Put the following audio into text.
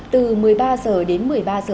từ một mươi ba h đến một mươi ba h ba mươi